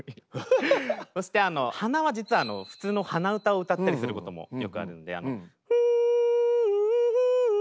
そして鼻は実は普通の鼻歌を歌ったりすることもよくあるんで。